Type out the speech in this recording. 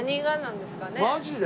マジで？